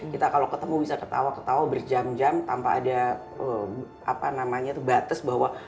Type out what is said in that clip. kita kalau ketemu bisa ketawa ketawa berjam jam tanpa ada batas bahwa